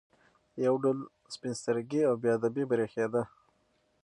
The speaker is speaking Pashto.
یو ډول سپین سترګي او بې ادبي برېښېده.